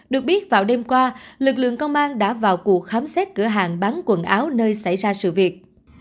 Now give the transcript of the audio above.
được biết vào đêm qua lực lượng công an đã vào cuộc khám xét cửa hàng bán quần áo nơi xảy ra sự việc